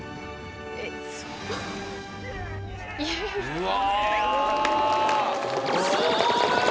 うわ！